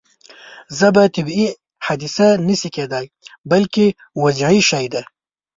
ژبه طبیعي حادثه نه شي کېدای بلکې وضعي شی دی.